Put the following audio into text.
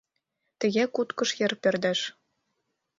Тыге куткыж йыр пӧрдеш.